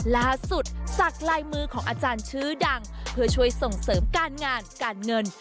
ล่าสุดสักลายมือของอาจารย์ชื่อดังเพื่อช่วยส่งเสริมการงานการเงิน